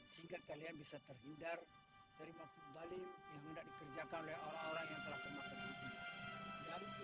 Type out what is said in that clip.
sehingga kalian bisa terhindar dari makhluk dalim yang tidak dikerjakan oleh orang orang yang telah termakan kakiku